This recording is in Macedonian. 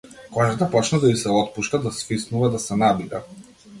Кожата почна да и се отпушта, да свиснува, да се набира.